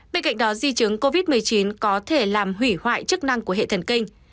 bên cạnh đó di chứng covid một mươi chín có thể làm hủy hoại chức năng của hệ thần kinh